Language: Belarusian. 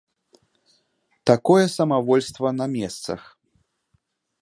Такое самавольства на месцах!